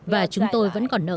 và chúng tôi vẫn còn nợ